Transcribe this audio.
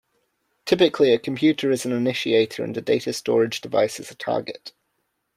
Typically, a computer is an initiator and a data storage device is a target.